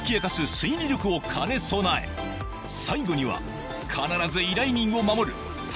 推理力を兼ね備え最後には必ず依頼人を守る頼れる